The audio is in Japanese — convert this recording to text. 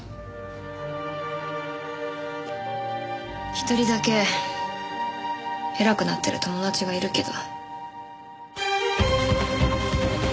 １人だけ偉くなってる友達がいるけど。